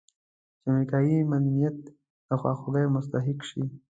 چې د امریکایي مدنیت د خواخوږۍ مستحق شي.